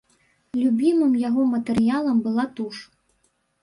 Любімым яго матэрыялам была туш.